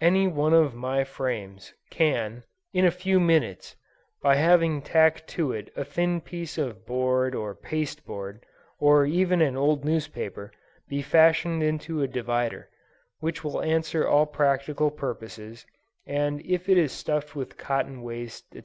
Any one of my frames, can, in a few minutes, by having tacked to it a thin piece of board or paste board, or even an old newspaper, be fashioned into a divider, which will answer all practical purposes, and if it is stuffed with cotton waste, &c.